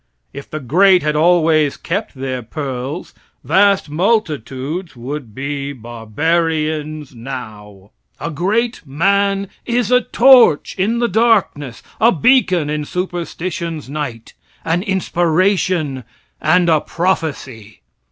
If the great had always kept their pearls, vast multitudes would be barbarians now. A great man is a torch in the darkness, a beacon in superstition's night, an inspiration and a prophecy.